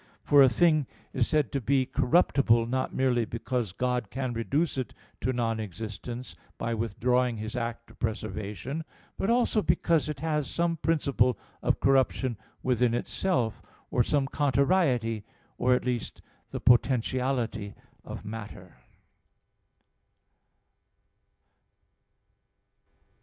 For a thing is said to be corruptible not merely because God can reduce it to non existence, by withdrawing His act of preservation; but also because it has some principle of corruption within itself, or some contrariety, or at least the potentiality of matter.